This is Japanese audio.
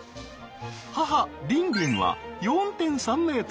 母リンリンは４．３ｍ。